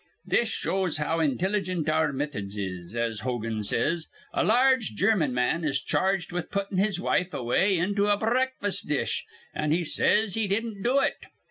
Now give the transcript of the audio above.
This shows how intilligent our methods is, as Hogan says. A large German man is charged with puttin' his wife away into a breakfas' dish, an' he says he didn't do it.